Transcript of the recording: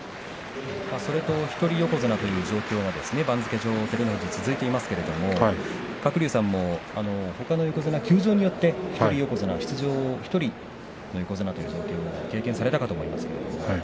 それと一人横綱という状況が番付上照ノ富士は続いていますが鶴竜さんも、ほかの横綱休場によって出場、一人横綱ということを経験されましたね。